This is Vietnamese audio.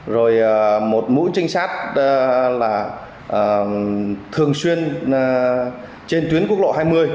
rồi một mũi trinh sát là thường xuyên trên tuyến quốc lộ hai mươi